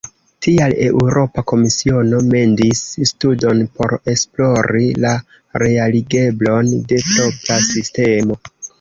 Tial Eŭropa Komisiono mendis studon por esplori la realigeblon de propra sistemo.